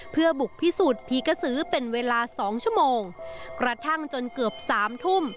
เพื่อบุกพิสูจน์ผีกระสือเป็นเวลาสองชั่วโมงกระทั่งจนเกือบสามทุ่ม